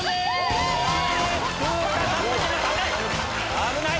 危ない！